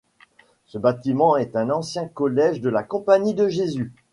Ce bâtiment est un ancien collège de la Compagnie de Jésus.